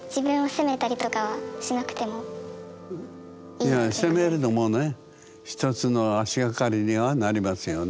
いや責めるのもね一つの足掛かりにはなりますよね。